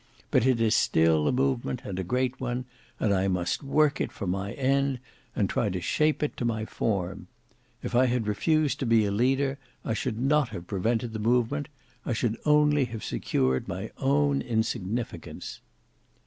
But it is still a movement and a great one, and I must work it for my end and try to shape it to my form. If I had refused to be a leader, I should not have prevented the movement; I should only have secured my own insignificance."